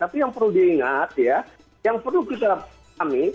tapi yang perlu diingat ya yang perlu kita pahami